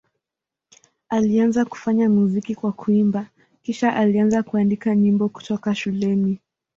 Alianza kufanya muziki kwa kuimba, kisha alianza kuandika nyimbo kutoka shuleni.